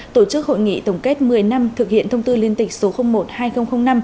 tổ chức hội nghị tổng kết một mươi năm thực hiện thông tư liên tịch số một hai nghìn năm